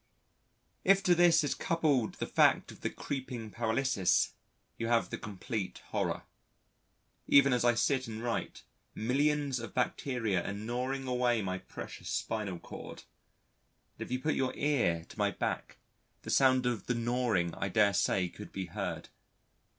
If to this is coupled the fact of the creeping paralysis, you have the complete horror. Even as I sit and write, millions of bacteria are gnawing away my precious spinal cord, and if you put your ear to my back the sound of the gnawing I dare say could be heard.